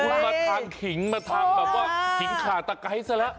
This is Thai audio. คุณมาทางขิงมาทางแบบว่าขิงขาตะไก๊ซะแล้ว